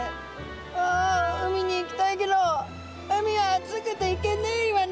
「あ海に行きたいけど海は熱くて行けねえイワナ」。